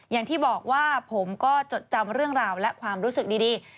อย่างที่บอกว่าผมก็จดจำเรื่องราวและความรู้สึกดี